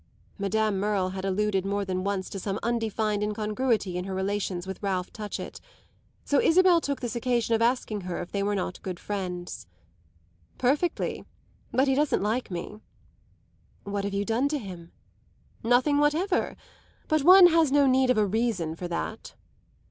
Madame Merle had alluded more than once to some undefined incongruity in her relations with Ralph Touchett; so Isabel took this occasion of asking her if they were not good friends. "Perfectly, but he doesn't like me." "What have you done to him?" "Nothing whatever. But one has no need of a reason for that."